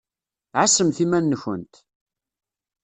Ɛasemt iman-nkent!